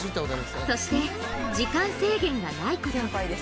そして時間制限がないこと。